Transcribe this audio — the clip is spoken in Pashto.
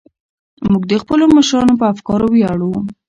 موږ د خپلو مشرانو په افکارو ویاړو.